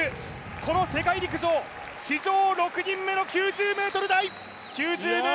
この世界陸上、史上６人目の９０ｍ台。